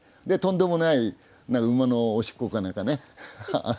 でとんでもない馬のおしっこか何かね。